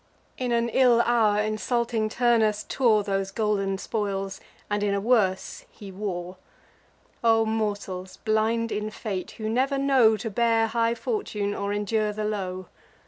In an ill hour insulting Turnus tore Those golden spoils, and in a worse he wore. O mortals, blind in fate, who never know To bear high fortune, or endure the low!